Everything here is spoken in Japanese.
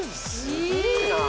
すげえな。